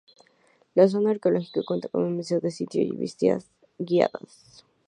La zona arqueológica cuenta con un museo de sitio y visitas guiadas.